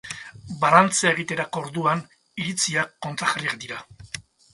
Balantzea egiterako orduan, iritziak kontrajarriak dira.